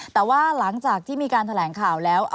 แต่ว่าหลังจากที่มีการแถลงข่าวแล้ว